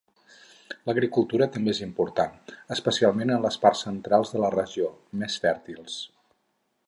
L'agricultura també és important, especialment en les parts centrals de la regió, més fèrtils.